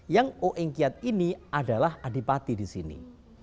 yang oeng kiat ini adalah adipati di sini